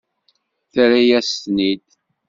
Terra-yas-ten-id.